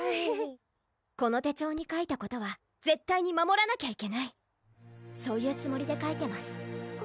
この手帳に書いたことは絶対に守らなきゃいけないそういうつもりで書いてます